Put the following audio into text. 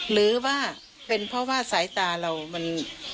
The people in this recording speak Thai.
หรือว่าเป็นเพราะว่าสายตาเรามัน